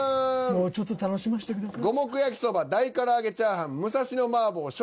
もうちょっと楽しませてください。